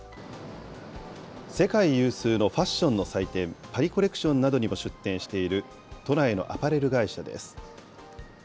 世界有数のファッションの祭典、パリコレクションなどにも出展している都内のアパレル会社です。